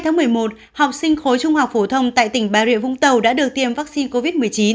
ngày một mươi hai một mươi một học sinh khối trung học phổ thông tại tỉnh bà rịa vũng tàu đã được tiêm vaccine covid một mươi chín